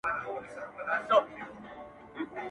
که مُلایان دي که یې چړیان دي-